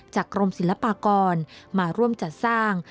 กรมศิลปากรมาร่วมจัดสร้าง